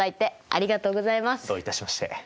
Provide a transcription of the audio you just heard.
どういたしまして。